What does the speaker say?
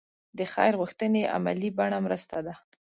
د خیر غوښتنې عملي بڼه مرسته ده.